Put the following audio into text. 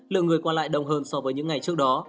lượng người qua lại đông hơn so với những ngày trước đó